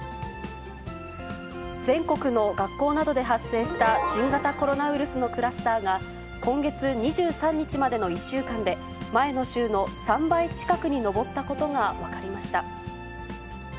全国の学校などで発生した新型コロナウイルスのクラスターが、今月２３日までの１週間で、前の週の３倍近くに上ったことが分かりました。